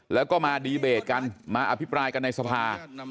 แล้วก็มาดีเบตกันมาอภิปรายกันในสภา